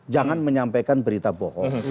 jangan menyampaikan berita bohong